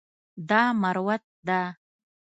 دا مروت ده.